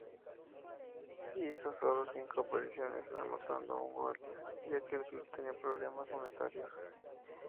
Hizo solo cinco apariciones, anotando un gol, ya que el club tenía problemas monetarios.